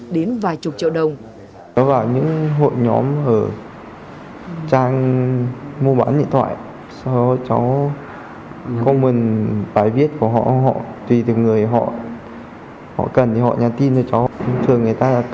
đến vài chục triệu đồng